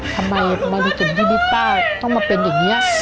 ทำไมมนุษย์จุดชีวิตป้าต้องมาเป็นอย่างนี้